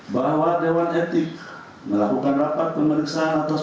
dengan dugaan melakukan hudup perlebihan tidak n polasi